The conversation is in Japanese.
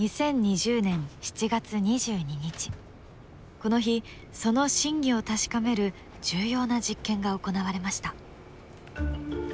この日その真偽を確かめる重要な実験が行われました。